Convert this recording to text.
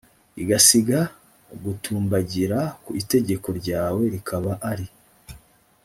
igasiga gutumbagira ku itegeko ryawe rikaba ari